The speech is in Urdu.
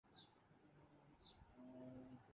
کہ ’کچھ لوگ کیسے